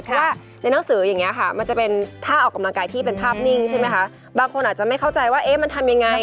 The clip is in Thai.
เพราะว่าในหนังสืออย่างนี้ค่ะมันจะเป็นท่าออกกำลังกายที่เป็นภาพนิ่งใช่ไหมคะบางคนอาจจะไม่เข้าใจว่าเอ๊ะมันทำยังไง